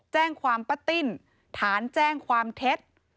แจ้งความป้าติ้นฐานแจ้งความเท็จ